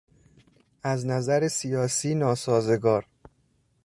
از نظر سیاسی ناسازگار